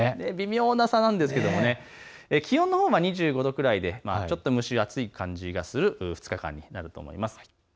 気温のほうは２５度くらいでちょっと蒸し暑い感じがする２日間になると思います。